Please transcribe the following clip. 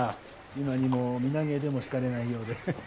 今にも身投げでもしかねないようで。